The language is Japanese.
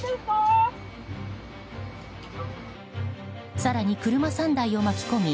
更に、車３台を巻き込み